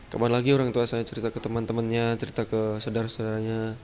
kembali lagi orang tua saya cerita ke teman temannya cerita ke saudara saudaranya